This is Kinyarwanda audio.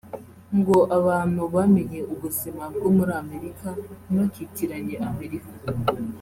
ngo abantu bamenye ubuzima bwo muri Amerika ntibakitiranye Amerika